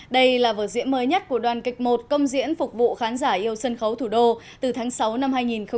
đây là vở diễn mới nhất của đoàn kịch một công diễn phục vụ khán giả yêu sân khấu thủ đô từ tháng sáu năm hai nghìn một mươi chín